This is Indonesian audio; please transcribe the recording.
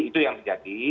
itu yang sejati